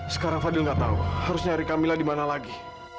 sekarang fadil nggak tahu harus nyari camilla di mana lagi